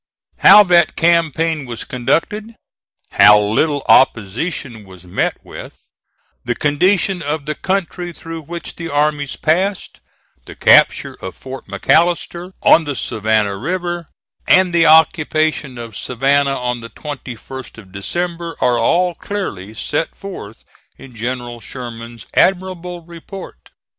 How that campaign was conducted, how little opposition was met with, the condition of the country through which the armies passed, the capture of Fort McAllister, on the Savannah River, and the occupation of Savannah on the 21st of December, are all clearly set forth in General Sherman's admirable report.